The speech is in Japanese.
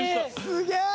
すげえ！